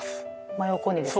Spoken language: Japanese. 真横にですか？